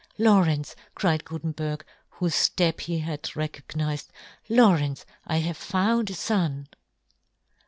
" Lawrence," cried Guten berg, whofe ftep he had recognized, " Lawrence, I have found a fon